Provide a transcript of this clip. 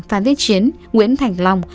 phan viết chiến nguyễn thành long